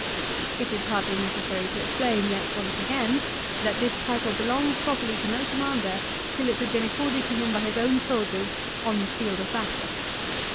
It is hardly necessary to explain, yet once again, that this title belonged properly to no commander till it had been accorded to him by his own soldiers on the field of battle.